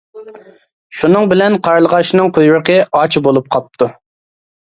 شۇنىڭ بىلەن قارلىغاچنىڭ قۇيرۇقى ئاچا بولۇپ قاپتۇ.